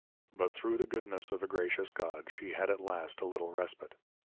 But thro' the Goodness of a Gracious God, she had at last a little Respite.